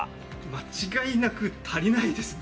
間違いなく足りないですね。